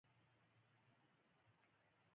لاندې د ارغنداب رود بهېده.